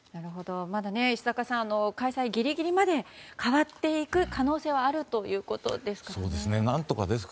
まだ石坂さん開催ギリギリまで変わっていく可能性はあるということですが。